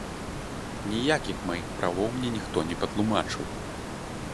Ніякіх маіх правоў мне ніхто не патлумачыў.